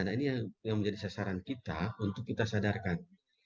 nah ini yang menjadi sasaran kita untuk kita sadarkan